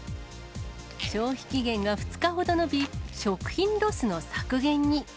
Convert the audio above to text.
消費期限が２日ほど延び、食品ロスの削減に。